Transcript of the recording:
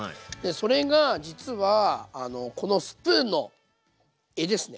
それが実はこのスプーンの柄ですね